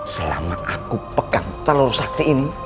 selama aku pegang telur sakti ini